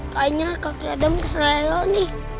kayaknya kaki adam keseleraan